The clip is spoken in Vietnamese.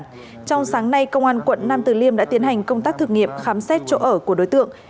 trong sáng nay công an quận nam từ liêm đã tiến hành công tác thực nghiệm khám xét chỗ ở của đối tượng